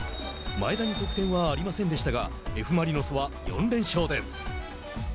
前田に得点はありませんでしたがＦ・マリノスは４連勝です。